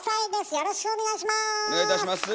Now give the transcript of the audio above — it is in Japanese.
よろしくお願いします。